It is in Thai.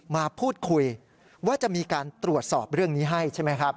มาพูดคุยว่าจะมีการตรวจสอบเรื่องนี้ให้ใช่ไหมครับ